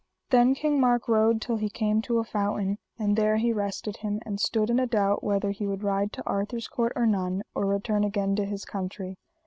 Then King Mark rode till he came to a fountain, and there he rested him, and stood in a doubt whether he would ride to Arthur's court or none, or return again to his country.